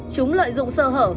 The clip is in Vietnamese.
chúng lợi dụng sơ hở